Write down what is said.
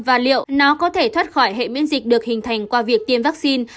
và liệu nó có thể thoát khỏi hệ miễn dịch được hình thành qua việc tiêm vaccine